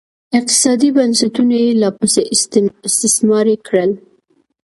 اقتصادي بنسټونه یې لاپسې استثماري کړل